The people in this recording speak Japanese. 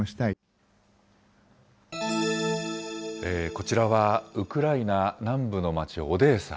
こちらは、ウクライナ南部の町、オデーサ。